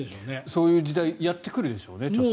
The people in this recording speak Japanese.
そういう時代がやってくるでしょうね。